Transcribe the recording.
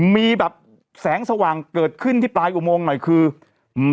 มีแบบแสงสว่างเกิดขึ้นที่ปลายอุโมงหน่อยคืออืม